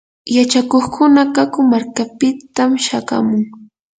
yachakuqkuna karu markapitam shayamun.